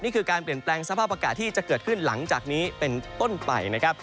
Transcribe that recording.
นี่คือการเปลี่ยนแปลงสภาพอากาศที่จะเกิดขึ้นหลังจากนี้เป็นต้นไปนะครับ